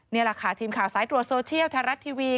นี่แหละค่ะทีมข่าวสายตรวจโซเชียลไทยรัฐทีวี